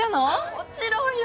もちろんよ！